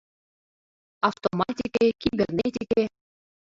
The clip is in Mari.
Автоматике, кибернетике...